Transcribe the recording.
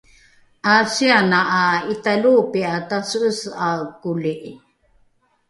’asiana ’a italoopi’a tase’ese’ae koli’i